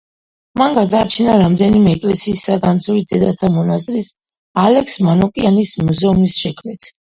მან გადაარჩინა რამდენიმე ეკლესიის საგანძური დედათა მონასტრის ალექს მანუკიანის მუზეუმის შექმნით.